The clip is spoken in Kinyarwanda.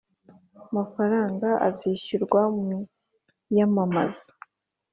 Mafaranga azishyurwa mu iyamamaza